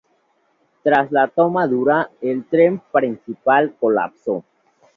Tras la toma dura, el tren principal colapsó.